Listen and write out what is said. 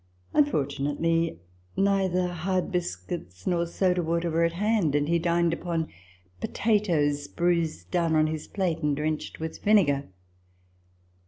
Unfortunately, neither hard biscuits nor soda water were at hand ; and he dined upon potatoes bruised down on his plate and drenched with vinegar.